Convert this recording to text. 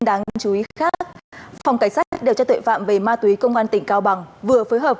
đáng chú ý khác phòng cảnh sát điều tra tuệ phạm về ma túy công an tỉnh cao bằng vừa phối hợp